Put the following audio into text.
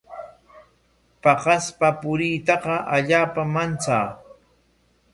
Paqaspa puriytaqa allaapam manchaa.